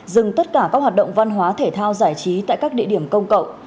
dừng tất cả các hoạt động văn hóa thể thao giải trí tại các địa điểm công cộng